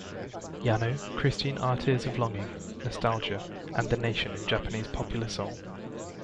Yano, Christine R. Tears of Longing: Nostalgia and the Nation in Japanese Popular Song.